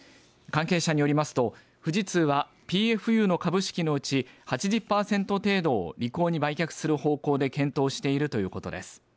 関係者によりますと富士通はＰＦＵの株式のうち８０パーセント程度をリコーに売却する方向で検討しているということです。